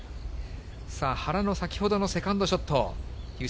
さあ、原の先ほどのセカンドショット。